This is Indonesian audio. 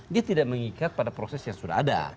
dia tidak mengikat pada proses yang sudah ada